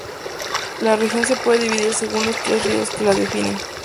La región se puede dividir según los tres ríos que la definen.